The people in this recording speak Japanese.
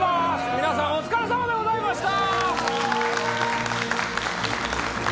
皆さんお疲れさまでございました。